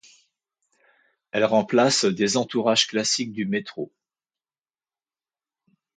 Elles remplacent des entourages classiques du métro.